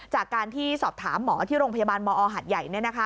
จากการที่สอบถามหมอที่โรงพยาบาลมอหัดใหญ่